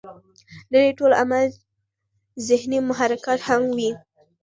د دې ټول عمل ذهني محرکات هم وي